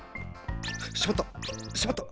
しまった！しまった！